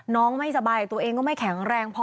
ไม่สบายตัวเองก็ไม่แข็งแรงพอ